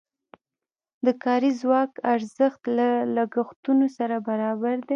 د کاري ځواک ارزښت له لګښتونو سره برابر دی.